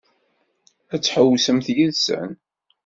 Ad tḥewwsemt yid-sen?